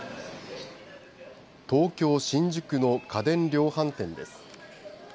東京新宿の家電量販店です。